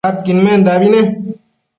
adquidmendabi ne